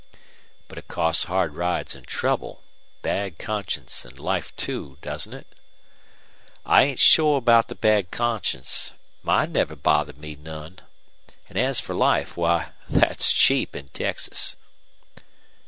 "But it costs hard rides and trouble, bad conscience, and life, too, doesn't it?" "I ain't shore about the bad conscience. Mine never bothered me none. An' as for life, why, thet's cheap in Texas."